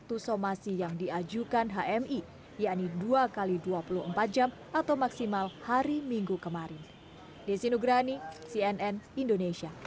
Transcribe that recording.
ketua kpk saud mencerminkan waktu somasi yang diajukan hmi yaitu dua x dua puluh empat jam atau maksimal hari minggu kemarin